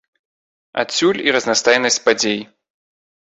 Адсюль і разнастайнасць падзей.